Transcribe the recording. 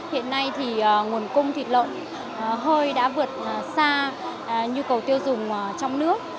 hiện nay thì nguồn cung thịt lợn hơi đã vượt xa nhu cầu tiêu dùng trong nước